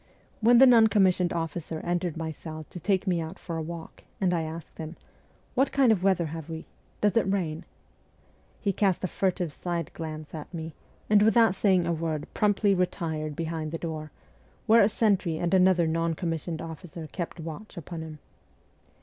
When the non commissioned officer entered my cell to take me out, for a walk, and I asked him, ' What kind of weather have we ? Does it rain ?' he cast a furtive side glance at me, and without saying a word promptly retired behind the door, where a sentry and another non commissioned officer kept watch upon him.